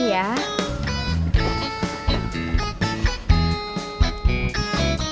iya cu ini kan sudah siang